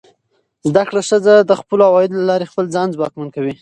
زده کړه ښځه د خپلو عوایدو له لارې خپل ځان ځواکمن کوي.